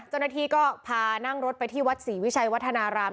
จังหวันทีก็พานั่งรถไปที่วัดสีฟิชัยวัฒนาราม